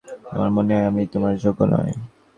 আমার মনে হয় আমি তোমার যোগ্য নই।